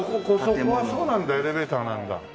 ああそうなんだエレベーターなんだ。